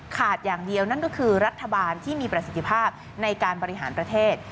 ขาดอย่างเดียวนั่นก็คือรัฐบาลที่มีประสิทธิภาพในการบริหารประเทศ